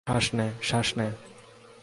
শ্বাস নে, শ্বাস নে।